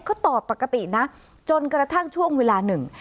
ก็ตอบปกตินะจนกระทั่งช่วงเวลาหนึ่ง